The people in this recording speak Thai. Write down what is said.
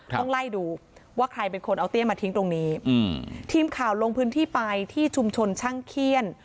ต้องไล่ดูว่าใครเป็นคนเอาเตี้ยมาทิ้งตรงนี้อืมทีมข่าวลงพื้นที่ไปที่ชุมชนช่างเขี้ยน